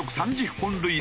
本塁打